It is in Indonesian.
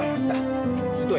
nah setuai ya